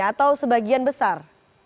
atau sebagian besar